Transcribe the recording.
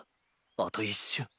あと一瞬。